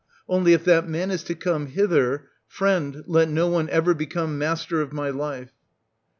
Only, if that man is to come hither, — friend, let no one ever become master of my life